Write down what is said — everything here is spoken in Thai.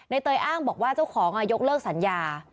เตยอ้างบอกว่าเจ้าของยกเลิกสัญญา